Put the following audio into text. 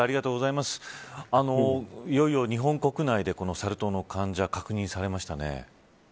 いよいよ日本国内でサル痘の患者、確認されましたね。